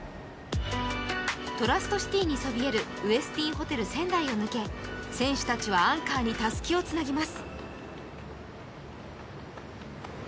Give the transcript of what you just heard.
トラストシティにそびえるウェスティンホテル仙台の前を通り選手たちはアンカーにたすきをつなぎます。